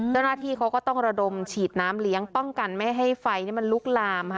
เจ้าหน้าที่เขาก็ต้องระดมฉีดน้ำเลี้ยงป้องกันไม่ให้ไฟมันลุกลามค่ะ